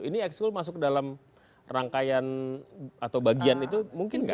ini ekskul masuk dalam rangkaian atau bagian itu mungkin nggak